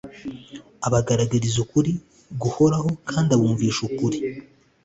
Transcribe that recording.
abagaragariza ukuri guhoraho kandi abumvisha ukuri